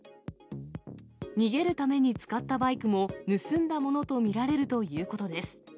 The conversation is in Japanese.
逃げるために使ったバイクも盗んだものと見られるということです。